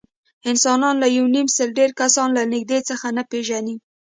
انسانان له یونیمسل ډېر کسان له نږدې څخه نه پېژني.